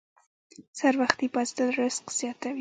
سحر وختي پاڅیدل رزق زیاتوي.